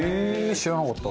知らなかった。